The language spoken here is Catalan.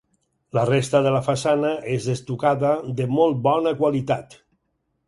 La resta de la façana és estucada de molt bona qualitat.